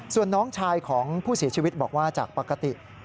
ส่วนน้องชายของผู้เสียชีวิตบอกว่าจากปกติ